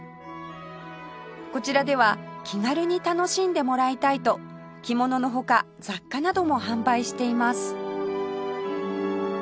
こちらでは気軽に楽しんでもらいたいと着物の他雑貨なども販売しています